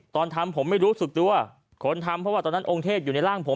ตอนทำผมไม่รู้สึกตัวคนทำเพราะว่าตอนนั้นองค์เทพอยู่ในร่างผม